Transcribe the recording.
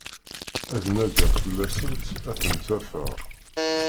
Ad nadiɣ fell-asent, ad tent-afeɣ.